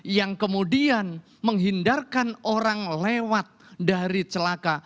yang kemudian menghindarkan orang lewat dari celaka